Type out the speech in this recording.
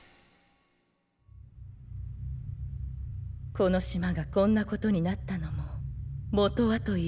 この島がこんなことになったのももとはといえば。